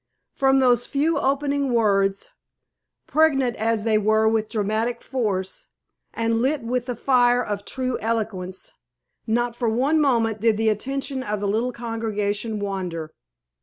From those few opening words, pregnant as they were with dramatic force, and lit with the fire of true eloquence, not for one moment did the attention of the little congregation wander.